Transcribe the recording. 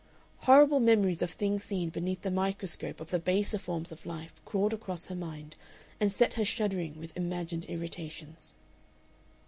Horrible memories of things seen beneath the microscope of the baser forms of life crawled across her mind and set her shuddering with imagined irritations.